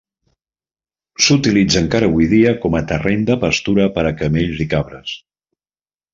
S'utilitza encara avui dia com a terreny de pastura per a camells i cabres.